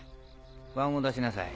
椀を出しなさい